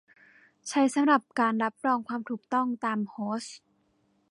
ใช้สำหรับการรับรองความถูกต้องตามโฮสต์